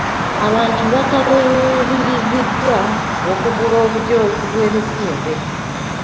Abantu bakubiriziddwa okugula obujoozi bw'emisinde.